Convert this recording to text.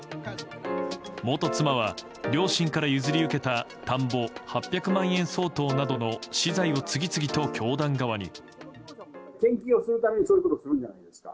元妻は、両親から譲り受けた田んぼ８００万円相当などの私財を次々と教団側に。